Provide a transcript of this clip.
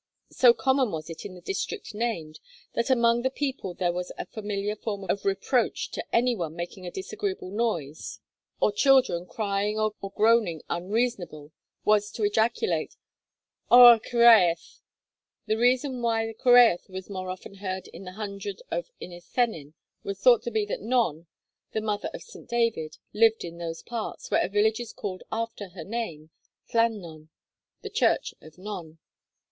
So common was it in the district named, that among the people there a familiar form of reproach to any one making a disagreeable noise, or 'children crying or groaning unreasonable,' was to ejaculate, 'Oh 'r Cyhyraeth!' A reason why the Cyhyraeth was more often heard in the hundred of Inis Cenin was thought to be that Non, the mother of St. David, lived in those parts, where a village is called after her name, Llan non, the church of Non.